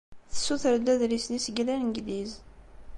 Tessuter-d adlis-nni seg Langliz.